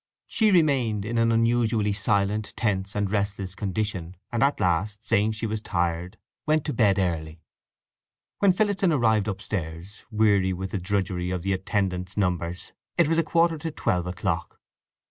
She remained in an unusually silent, tense, and restless condition, and at last, saying she was tired, went to bed early. When Phillotson arrived upstairs, weary with the drudgery of the attendance numbers, it was a quarter to twelve o'clock.